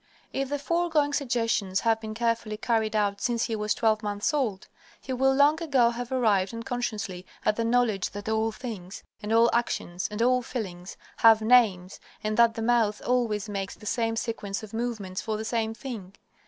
If the foregoing suggestions have been carefully carried out since he was twelve months old, he will long ago have arrived unconsciously at the knowledge that all things, and all actions, and all feelings, have names, and that the mouth always makes the same sequence of movements for the same thing.